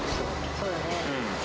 そうだね。